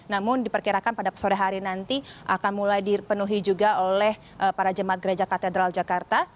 namun diperkirakan pada sore hari nanti akan mulai dipenuhi juga oleh para jemaat gereja katedral jakarta